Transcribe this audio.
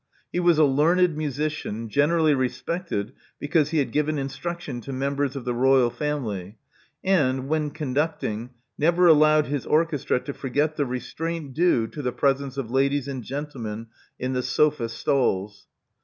He was a learned musician, generally respected because he had given instruction to members of the Royal family, and, when conducting, never allowed his orchestra to forget the restraint due to the presence of ladies and gentlemen in the sofa stalls.